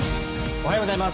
おはようございます。